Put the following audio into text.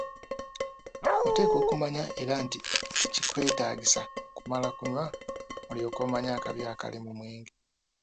Oteekwa okumanya era nti tekikwetaagisa kumala kunywa olyoke omanye akabi akali mu mwenge.